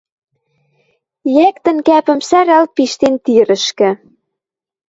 Йӓктӹн кӓпӹм сӓрӓл пиштен тирӹшкӹ